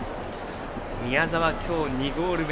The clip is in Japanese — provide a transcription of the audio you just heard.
宮澤、今日２ゴール目。